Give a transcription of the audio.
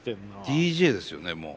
ＤＪですよねもう。